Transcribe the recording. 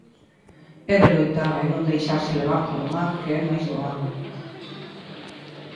E de loitar, e non deixarse levar polo mar, que é máis doado.